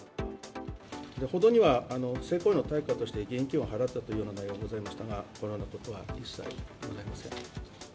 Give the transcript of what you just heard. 報道には性行為の対価として現金を払ったというような内容でございましたが、このようなことは一切ございません。